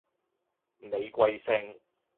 你貴姓？